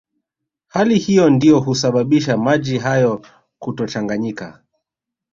Hali hiyo ndiyo husababisha maji hayo kutochanganyika